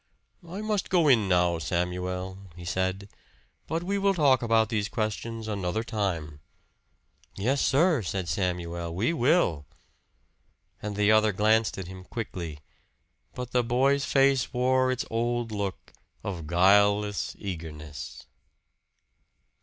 "I must go in now, Samuel," he said. "But we will talk about these questions another time." "Yes, sir," said Samuel, "we will." And the other glanced at him quickly. But the boy's face wore its old look of guileless eagerness.